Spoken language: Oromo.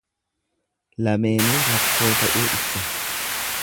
Lameenuu rakkOo ta'uu ibsa.